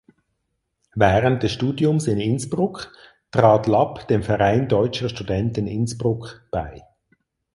Während des Studiums in Innsbruck trat Lapp dem „Verein Deutscher Studenten Innsbruck“ bei.